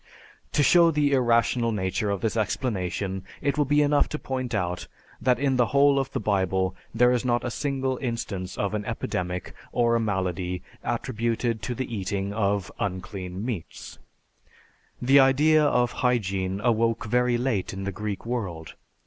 To show the irrational nature of this explanation, it will be enough to point out that in the whole of the Bible there is not a single instance of an epidemic or a malady attributed to the eating of unclean meats; the idea of hygiene awoke very late in the Greek world.